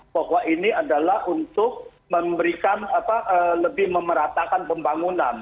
bahwa ini adalah untuk memberikan lebih memeratakan pembangunan